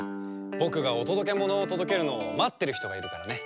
ぼくがおとどけものをとどけるのをまってるひとがいるからね。